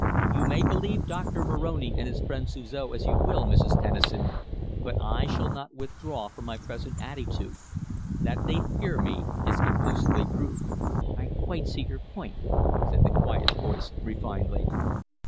You may believe Doctor Moroni and his friend Suzor as you will, Mrs. Tennison, but I shall not withdraw from my present attitude. That they fear me is conclusively proved." "I quite see your point," said the quiet voiced, refined lady.